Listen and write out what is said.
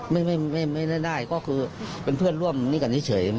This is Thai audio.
ไม่ได้ก็คือเป็นเพื่อนร่วมนี่กันเฉย